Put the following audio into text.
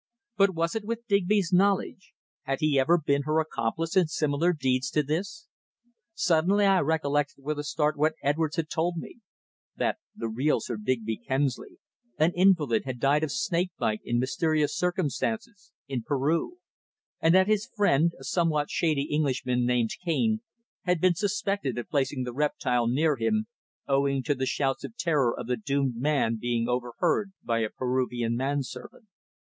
But was it with Digby's knowledge? Had he ever been her accomplice in similar deeds to this? Suddenly I recollected with a start what Edwards had told me that the real Sir Digby Kemsley, an invalid, had died of snake bite in mysterious circumstances, in Peru; and that his friend, a somewhat shady Englishman named Cane, had been suspected of placing the reptile near him, owing to the shouts of terror of the doomed man being overheard by a Peruvian man servant.